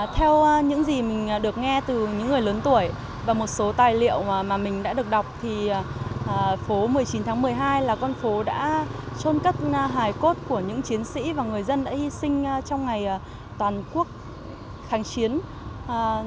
theo những gì mình được nghe từ những người lớn tuổi và một số tài liệu mà mình đã được đọc thì phố một mươi chín tháng một mươi hai là con phố đã trôn cất hài cốt của những chiến sĩ và người dân đã hy sinh trong ngày toàn quốc kháng chiến vào năm một nghìn chín trăm bốn mươi sáu